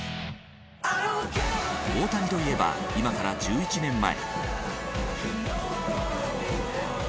大谷といえば今から１１年前。